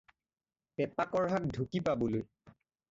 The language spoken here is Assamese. পেপা-কঢ়াক ঢুকি পাবলৈ।